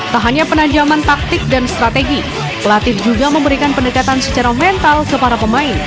tak hanya penajaman taktik dan strategi pelatih juga memberikan pendekatan secara mental ke para pemain